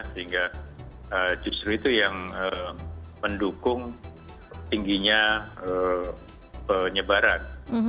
sehingga justru itu yang mendukung tingginya penyebaran